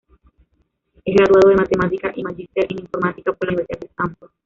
Es graduado de matemática y magister en informática por la Universidad de Stanford.